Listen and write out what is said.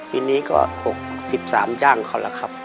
ปีนี้ก็๖๓จ้างเขาแล้วครับ